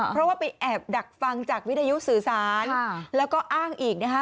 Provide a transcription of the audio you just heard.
เพราะว่าไปแอบดักฟังจากวิทยุสื่อสารแล้วก็อ้างอีกนะคะ